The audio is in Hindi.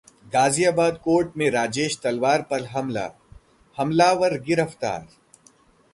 गाजियाबाद कोर्ट में राजेश तलवार पर हमला, हमलावार गिरफ्तार